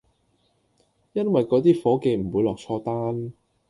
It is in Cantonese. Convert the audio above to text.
因為嗰啲伙計唔會落錯單